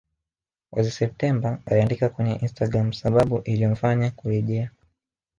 Mwezi Septemba aliandika kwenye Instagram sababu iliyomfanya kurejea